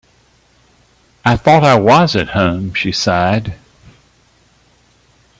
'I thought I was at home,’ she sighed.